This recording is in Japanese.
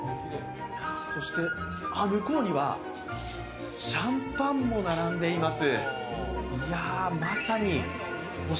そして、向こうにはシャンパンも並んでいます。